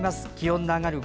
気温の上がる